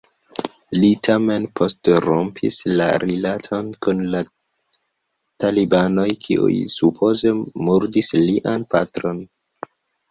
Li tamen poste rompis la rilaton kun la talibanoj, kiuj supoze murdis lian patron.